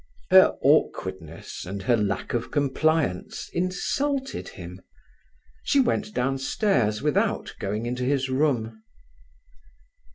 Her awkwardness and her lack of compliance insulted him. She went downstairs without going into his room.